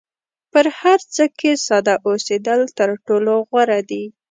په هر څه کې ساده اوسېدل تر ټولو غوره دي.